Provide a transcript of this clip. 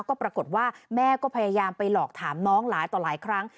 ก็ปรากฏว่าแม่ก็พยายามไปหลอกถามน้องหลายต่อหลายครั้ง